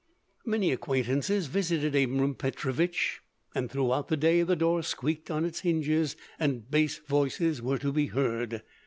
Many acquaintances visited Abram Petrovich, and throughout the day the door squeaked on its hinges, and bass voices were to be heard.